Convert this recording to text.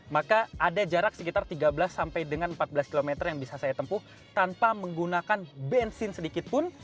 maka ada jarak sekitar tiga belas sampai dengan empat belas km yang bisa saya tempuh tanpa menggunakan bensin sedikit pun